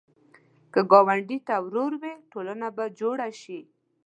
که ګاونډي ته ورور وې، ټولنه به جوړه شي